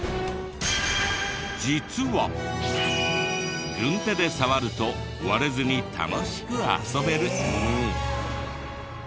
実は軍手で触ると割れずに楽しく遊べる。